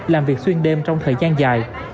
làm việc xuyên đêm trong thời gian dài